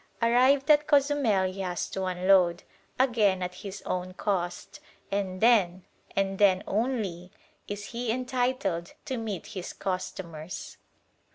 Arrived at Cozumel he has to unload, again at his own cost, and then, and then only, is he entitled to meet his customers.